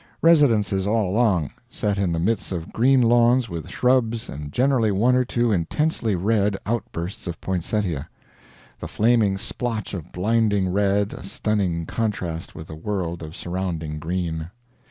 Residences all along, set in the midst of green lawns with shrubs and generally one or two intensely red outbursts of poinsettia the flaming splotch of blinding red a stunning contrast with the world of surrounding green.